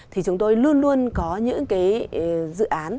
thì chúng tôi luôn luôn có những cái dự án